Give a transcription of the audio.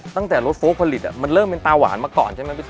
ตั้งแต่รถโฟลกผลิตมันเริ่มเป็นตาหวานมาก่อนใช่ไหมพี่ต